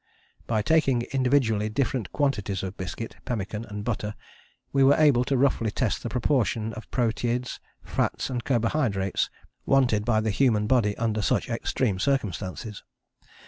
By taking individually different quantities of biscuit, pemmican and butter we were able roughly to test the proportions of proteids, fats and carbo hydrates wanted by the human body under such extreme circumstances.